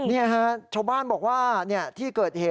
นี่ฮะชาวบ้านบอกว่าที่เกิดเหตุ